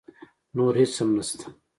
نور هېڅ هم نه شته.